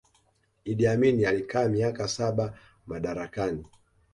Idi Amin alikaa miaka saba madarakani